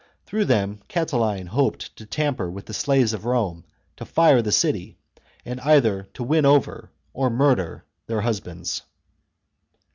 Through them Catiline hoped to tamper with the slaves of Rome, to fire the city, and either to win over or murder their husbands.